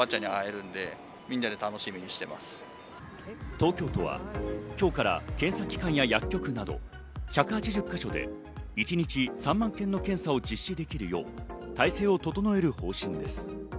東京都は今日から検査機関や薬局など１８０か所で一日３万件の検査を実施できるよう体制を整える方針です。